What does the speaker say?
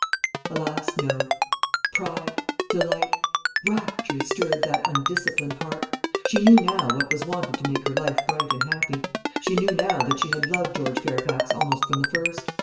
Alas, no; Pride, delight, rapture, stirred that undisciplined heart. She knew now what was wanted to make her life bright and happy; she knew now that she had loved George Fairfax almost from the first.